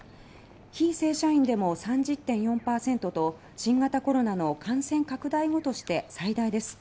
非正社員でも３０．４％と新型コロナの感染拡大後として最大です。